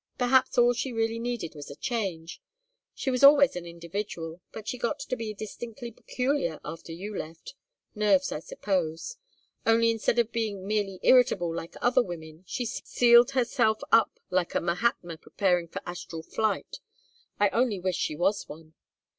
Perhaps all she really needed was a change: she was always an individual, but she got to be distinctly peculiar after you left nerves, I suppose: only instead of being merely irritable like other women she sealed herself up like a Mahatma preparing for astral flight. I only wish she was one.